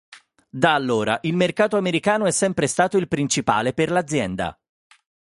Da allora il mercato americano è sempre stato il principale per l'azienda.